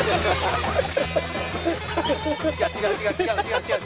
違う違う違う違う違う違う。